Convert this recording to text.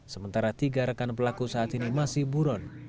sementara tiga rekan pelaku saat ini masih buron